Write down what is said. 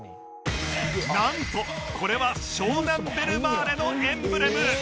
なんとこれは湘南ベルマーレのエンブレム！